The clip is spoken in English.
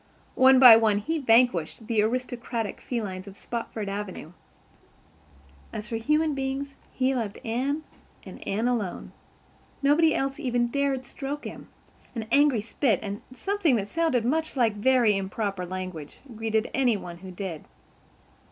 One by one he vanquished the aristocratic felines of Spofford Avenue. As for human beings, he loved Anne and Anne alone. Nobody else even dared stroke him. An angry spit and something that sounded much like very improper language greeted any one who did.